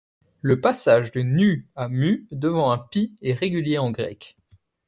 Le passage de ν à µ devant un π est régulier en grec.